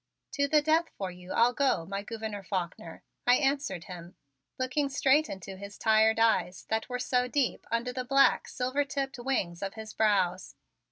"To the death for you I'll go, my Gouverneur Faulkner," I answered him, looking straight into his tired eyes that were so deep under the black, silver tipped wings of his brows.